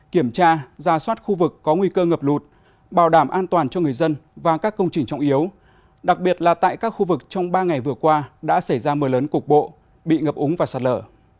kiểm tra ra soát khu vực có nguy cơ ngập lụt bảo đảm an toàn cho người dân và các công trình trọng yếu đặc biệt là tại các khu vực trong ba ngày vừa qua đã xảy ra mưa lớn cục bộ bị ngập úng và sạt lở